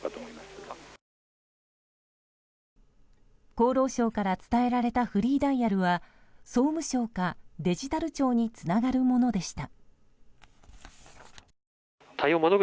厚労省から伝えられたフリーダイヤルは総務省かデジタル庁につながるものでした。